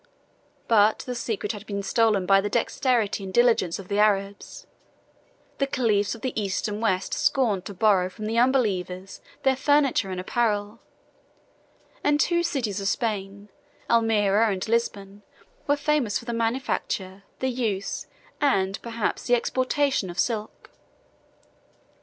But the secret had been stolen by the dexterity and diligence of the Arabs: the caliphs of the East and West scorned to borrow from the unbelievers their furniture and apparel; and two cities of Spain, Almeria and Lisbon, were famous for the manufacture, the use, and, perhaps, the exportation, of silk.